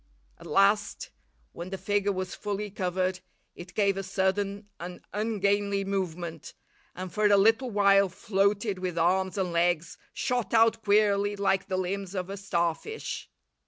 At last, when the figure was fully covered, it gave a sudden and ungainly movement, and for a little while floated with arms and legs shot out queerly like the limbs of a starfish.